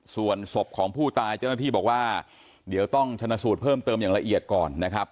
ส่วนศพของผู้ตายเจ้าหน้าที่บอกว่าเดี๋ยวต้องชนะสูตรเพิ่มเติมอย่างละเอียดก่อนนะครับ